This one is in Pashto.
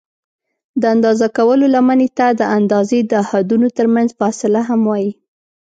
د اندازه کولو لمنې ته د اندازې د حدونو ترمنځ فاصله هم وایي.